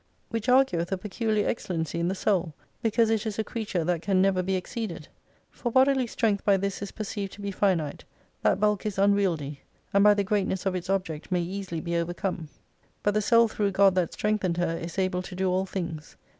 Which argueth a peculiar excellency in the soul, because it is a creature that can never be exceeded. For bodily strength by this is perceived to be finite, that bulk is unwieldy, and by the greatness of its object may easily be overcome. But the soul through God that strengthened her is able to do all things.